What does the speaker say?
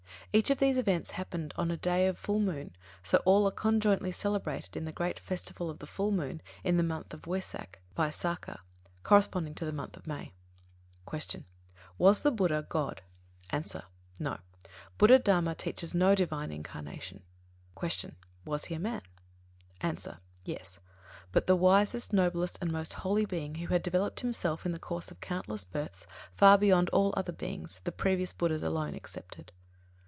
Each of these events happened on a day of full moon, so all are conjointly celebrated in the great festival of the full moon of the month Wesak (Vaisākha), corresponding to the month of May. 9. Q. Was the Buddha God? A. No. Buddha Dharma teaches no "divine" incarnation. 10. Q. Was he a man? A. Yes; but the wisest, noblest and most holy being, who had developed himself in the course of countless births far beyond all other beings, the previous BUDDHAS alone excepted.